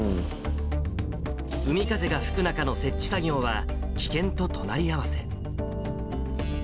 海風が吹く中の設置作業は、危険と隣り合わせ。